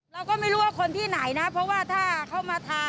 เราก็ไม่รู้ว่าคนที่ไหนนะเพราะว่าถ้าเข้ามาทา